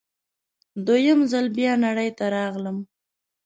دوه یم ځل بیا نړۍ ته راغلم